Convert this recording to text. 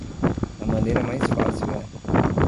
A maneira mais fácil é